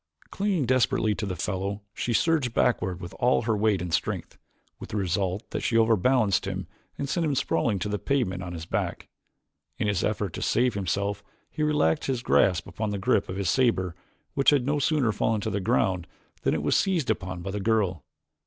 Clinging desperately to the fellow she surged backward with all her weight and strength with the result that she overbalanced him and sent him sprawling to the pavement upon his back. In his efforts to save himself he relaxed his grasp upon the grip of his saber which had no sooner fallen to the ground than it was seized upon by the girl.